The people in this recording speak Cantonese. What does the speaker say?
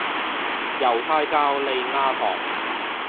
猶太教莉亞堂